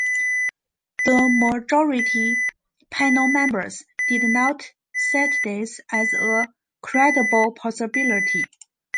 The majority panel members did not cite this as a credible possibility.